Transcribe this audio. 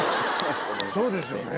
そうですよね。